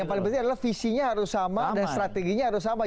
yang paling penting adalah visinya harus sama dan strateginya harus sama